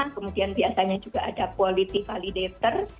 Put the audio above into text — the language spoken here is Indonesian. kemudian biasanya juga ada quality validator